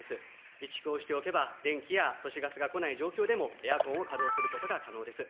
備蓄をしておけば、電気や都市ガスが来ない状況でも、エアコンを稼働することが可能です。